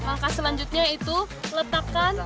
maka selanjutnya itu letakkan